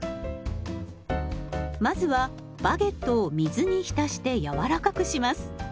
まずはバゲットを水に浸して柔らかくします。